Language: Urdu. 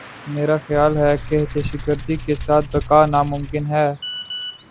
میرا خیال یہ ہے کہ دہشت گردی کے ساتھ بقا ناممکن ہے۔